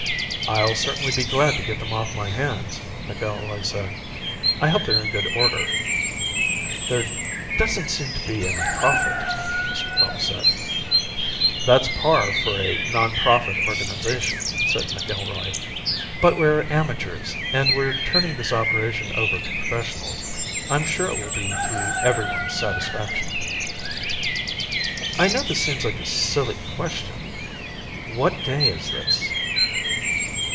"I'll certainly be glad to get them off my hands," McIlroy said. "I hope they're in good order." "There doesn't seem to be any profit," Mr. Phelps said. "That's par for a nonprofit organization," said McIlroy. "But we're amateurs, and we're turning this operation over to professionals. I'm sure it will be to everyone's satisfaction." "I know this seems like a silly question. What day is this?"